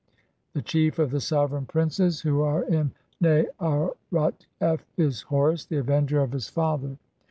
The chief of the sovereign princes (107) who are in Na arut f is Horus, the avenger of his father.